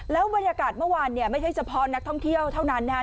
แล้วบรรยากาศเมื่อวานเนี่ยไม่ใช่เฉพาะนักท่องเที่ยวเท่านั้นนะครับ